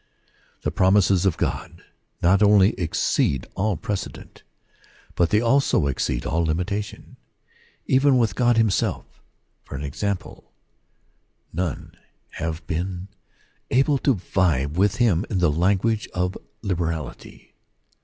The promises of God not only exceed all pre cedent, but they also exceed all imitation. Even with God himself for an example, none have been 64 According to the Promise. able to vie with him in the language of liberality.